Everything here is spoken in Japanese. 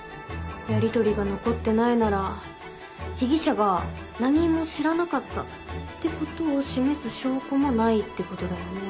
やりとりが残ってないなら被疑者が「何も知らなかった」ってことを示す証拠もないってことだよね。